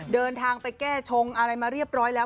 เดินทางไปแก้ชงอะไรมาเรียบร้อยแล้ว